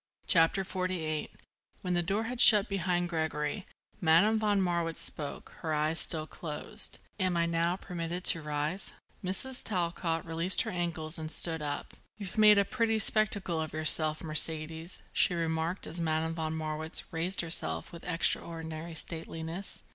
CHAPTER XLVIII When the door had shut behind Gregory, Madame von Marwitz spoke, her eyes still closed: "Am I now permitted to rise?" Mrs. Talcott released her ankles and stood up. "You've made a pretty spectacle of yourself, Mercedes," she remarked as Madame von Marwitz raised herself with extraordinary stateliness.